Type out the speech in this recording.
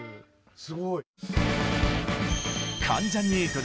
すごい。